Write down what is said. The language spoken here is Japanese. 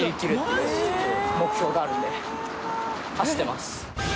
いう目標があるんで走ってます。